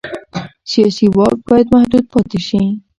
سیاسي واک باید محدود پاتې شي